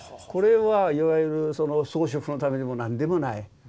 これはいわゆる装飾のためでも何でもない。